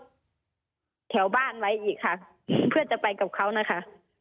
แถวบ้านไว้อีกค่ะเพื่อจะไปกับเขานะคะ